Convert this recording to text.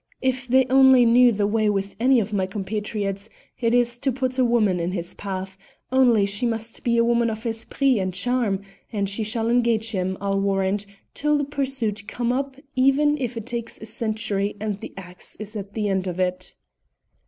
If they only knew the way with any of my compatriots it is to put a woman in his path, only she must be a woman of esprit and charm, and she shall engage him, I'll warrant, till the pursuit come up, even if it takes a century and the axe is at the end of it."